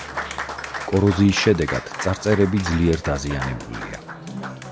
კოროზიის შედეგად წარწერები ძლიერ დაზიანებულია.